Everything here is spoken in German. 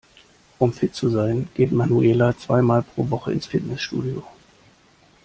Um fit zu sein geht Manuela zwei mal pro Woche ins Fitnessstudio.